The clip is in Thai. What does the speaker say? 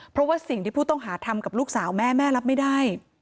เพราะว่าสิ่งที่ผู้ต้องหาทำกับลูกสาวแม่แม่รับไม่ได้